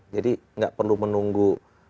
jadi tidak perlu menunggu